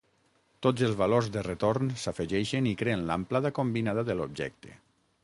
Tots els valors de retorn s'afegeixen i creen l'amplada combinada de l'objecte.